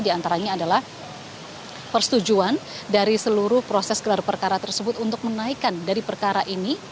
di antaranya adalah persetujuan dari seluruh proses gelar perkara tersebut untuk menaikkan dari perkara ini